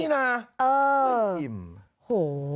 อ๋อเหรอ